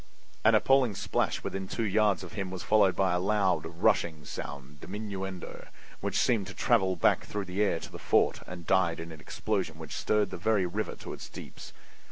An appalling splash within two yards of him was followed by a loud, rushing sound, DIMINUENDO, which seemed to travel back through the air to the fort and died in an explosion which stirred the very river to its deeps!